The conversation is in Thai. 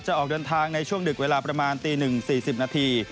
จะออกเดินทางในช่วงดึกเวลาประมาณตีหนึ่งสี่สิบนาที